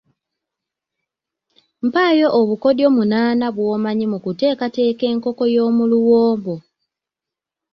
Mpaayo obukodyo munaana bw’omanyi mu kuteekateeka enkoko y’omu luwombo.